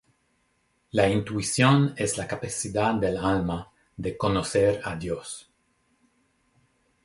La intuición es la capacidad del alma de conocer a Dios.